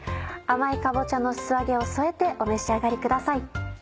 甘いかぼちゃの素揚げを添えてお召し上がりください。